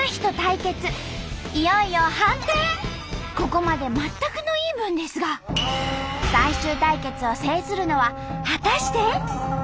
ここまで全くのイーブンですが最終対決を制するのは果たして。